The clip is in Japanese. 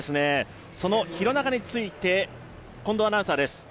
その廣中について近藤アナウンサーです。